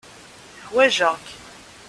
Ḥwajeɣ-k.